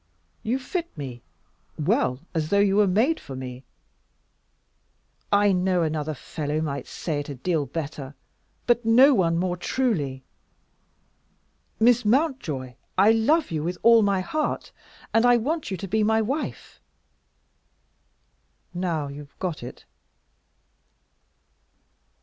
You fit me well, as though you were made for me. I know that another fellow might say it a deal better, but no one more truly. Miss Mountjoy, I love you with all my heart, and I want you to be my wife. Now you've got it!"